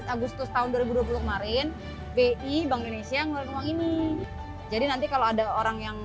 agustus tahun dua ribu dua puluh kemarin bi bank indonesia ngeluarin uang ini jadi nanti kalau ada orang yang